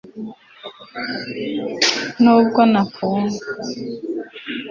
nubwo nakura gute, birasa nkaho ejo twari bato. ndagukunda cyane umuvandimwe